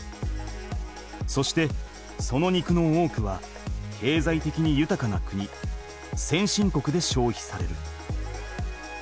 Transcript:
そしてその肉の多くはけいざいてきにゆたかな国先進国でしょうひされる。